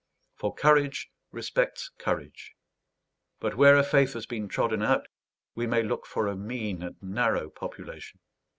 For courage respects courage; but where a faith has been trodden out, we may look for a mean and narrow population.